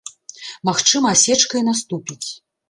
Магчыма, асечка і наступіць.